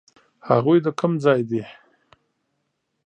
هغوی د کوم ځای دي؟